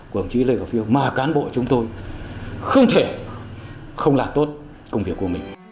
của đồng chí lê khả phiêu